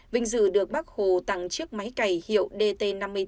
vinh dự được bác hồ tặng chiếc máy cày hiệu dt năm mươi tám